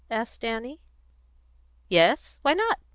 asked Annie. "Yes; why not?